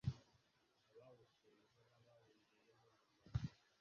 abawushinze n abawinjiyemo nyuma